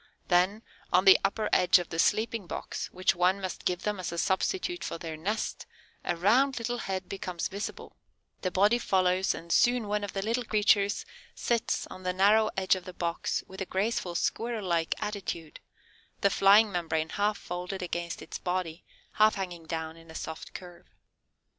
Then, "on the upper edge of the sleeping box, which one must give them as a substitute for their nest, a round little head becomes visible; the body follows and soon one of the little creatures sits on the narrow edge of the box in a graceful Squirrel like attitude, the flying membrane half folded against its body, half hanging down in a soft curve.